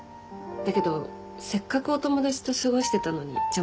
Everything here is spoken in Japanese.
だけどせっかくお友達と過ごしてたのに邪魔しちゃったね。